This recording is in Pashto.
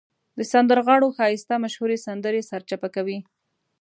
د سندرغاړو ښایسته مشهورې سندرې سرچپه کوي.